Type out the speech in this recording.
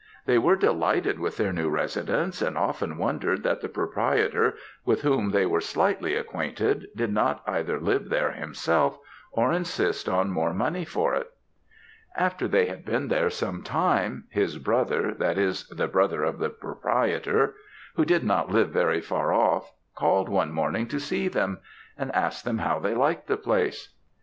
They were delighted with their new residence; and often wondered that the proprietor, with whom they were slightly acquainted, did not either live there himself, or insist on more money for it. "After they had been there some time, his brother, that is, the brother of the proprietor, who did not live very far off, called one morning to see them; and asked them how they liked the place.